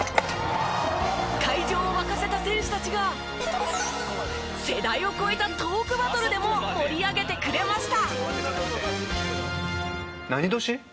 会場を沸かせた選手たちが世代を超えたトークバトルでも盛り上げてくれました。